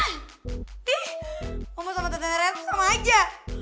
ih ngomong sama tadanya ren sama aja